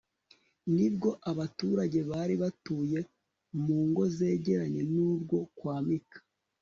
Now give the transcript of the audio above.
ni bwo abaturage bari batuye mu ngo zegeranye n'urwo kwa mika